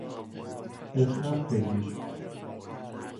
اسنپ بگیر